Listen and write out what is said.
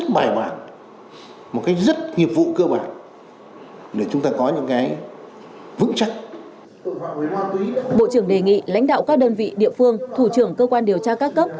bộ trưởng đề nghị lãnh đạo các đơn vị địa phương thủ trưởng cơ quan điều tra các cấp